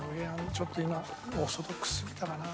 ちょっと今オーソドックスすぎたかな。